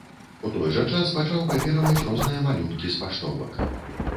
У той жа час пачаў капіраваць розныя малюнкі з паштовак.